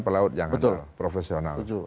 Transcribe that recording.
pelaut yang profesional